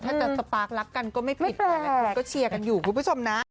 แต่ว่ากลางคนดีที่ไหน